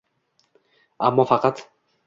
Ammo faqat